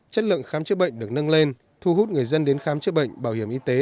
chất lượng khám chữa bệnh được nâng lên thu hút người dân đến khám chữa bệnh bảo hiểm y tế